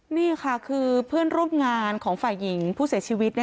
นี่ค่ะคือเพื่อนร่วมงานของฝ่ายหญิงผู้เสียชีวิต